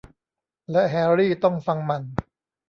และแฮรี่ต้องฟังมัน